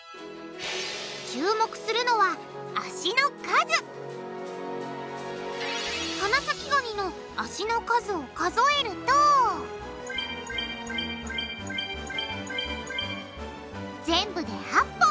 注目するのは花咲ガニの脚の数を数えると全部で８本！